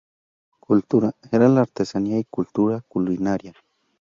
Cultura: era la artesanía y Cultura culinaria.